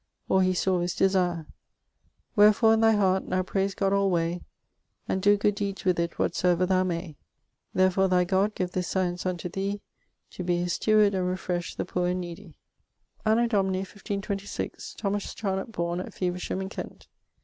....... . or he saw his desier Wherefore in thy hartt now prease God allway And do good deeds with it whatsoever thou may Therefore thy god gave this science unto thee To be his stuarde and refresh the poore and needie. Anno D. 1526 Thomas Charnocke borne at Feversham in Kent.